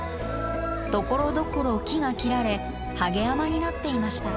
ところどころ木が切られはげ山になっていました。